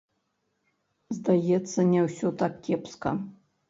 Здаецца, не ўсё так кепска.